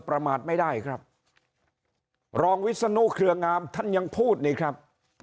ประมาทไม่ได้ครับรองวิศนุเครืองามท่านยังพูดนี่ครับ